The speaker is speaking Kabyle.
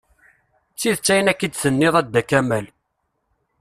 D tidet ayen akka i d-tenniḍ a Dda kamal.